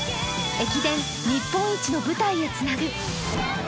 駅伝日本一の舞台へつなぐ。